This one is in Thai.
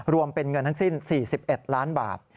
รวมเป็นเงินทั้งสิ้น๔๑ล้านบาท